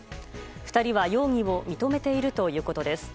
２人は容疑を認めているということです。